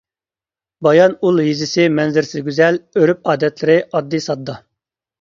بايان ئۇل يېزىسى مەنزىرىسى گۈزەل، ئۆرپ-ئادەتلىرى ئاددىي-ساددا.